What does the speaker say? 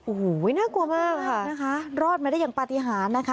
โอ้โหน่ากลัวมากค่ะนะคะรอดมาได้อย่างปฏิหารนะคะ